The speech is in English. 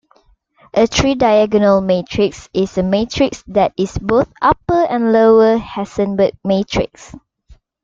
A tridiagonal matrix is a matrix that is both upper and lower Hessenberg matrix.